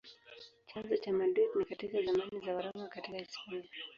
Chanzo cha Madrid ni katika zamani za Waroma katika Hispania.